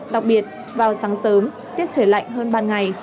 đặc biệt vào sáng sớm tiết trời lạnh hơn ban ngày